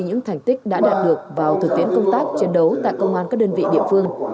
những thành tích đã đạt được vào thực tiễn công tác chiến đấu tại công an các đơn vị địa phương